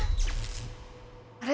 あれ？